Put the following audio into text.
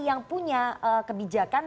yang punya kebijakan